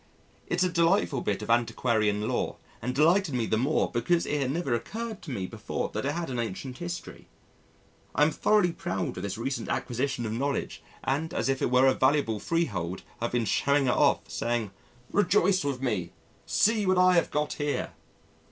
It's a delightful bit of antiquarian lore and delighted me the more because it had never occurred to me before that it had an ancient history. I am thoroughly proud of this recent acquisition of knowledge and as if it were a valuable freehold I have been showing it off saying, "Rejoice with me see what I have got here."